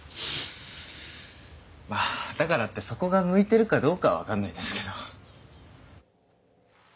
まぁだからってそこが向いてるかどうかは分かんないですけど。